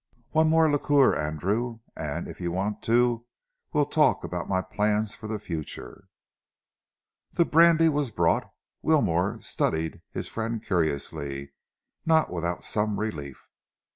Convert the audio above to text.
One more liqueur, Andrew, and if you want to we'll talk about my plans for the future." The brandy was brought. Wilmore studied his friend curiously, not without some relief.